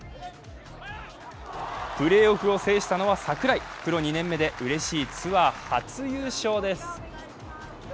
プレーオフを制したのは櫻井、プロ２年目でうれしいツアー初優勝です。